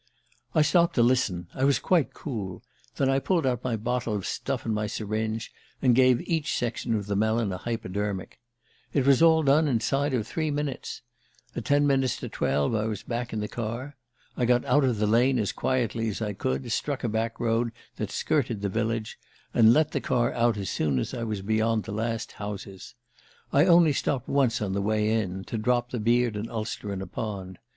"I stopped to listen I was quite cool. Then I pulled out my bottle of stuff and my syringe, and gave each section of the melon a hypodermic. It was all done inside of three minutes at ten minutes to twelve I was back in the car. I got out of the lane as quietly as I could, struck a back road that skirted the village, and let the car out as soon as I was beyond the last houses. I only stopped once on the way in, to drop the beard and ulster into a pond.